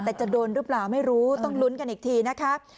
แต่จะโดนหรือเปล่าไม่รู้ต้องลุ้นกันอีกทีนะคะ